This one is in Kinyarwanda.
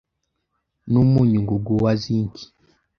n'umunyu ngugu wa 'zink